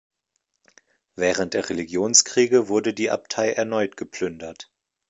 Während der Religionskriege wurde die Abtei erneut geplündert.